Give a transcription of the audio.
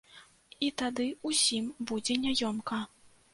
І тады ўсім будзе няёмка.